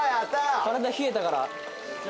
体冷えたから。